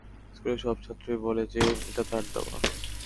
স্কুলের সব ছাত্রই বলে যে এটা তার দেওয়া।